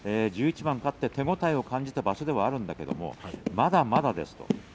１１番勝って手応えを感じた場所ではあるんだけどまだまだですと。